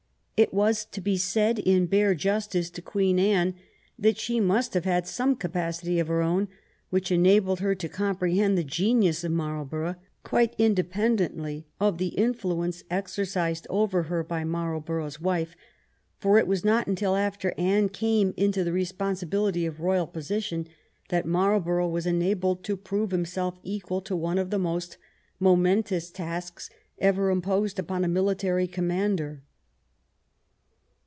It has to be said in bare justice to Queen Anne that she must have had some capacity of her own which enabled her to comprehend the genius of Marlborough, quite independently of the influence exercised over her by Marlborough^s wife, for it was not until after Anne came into the responsibility of royal position that Marlborough was enabled to prove himself equal to one of the most momentous tasks ever imposed upon a military commander.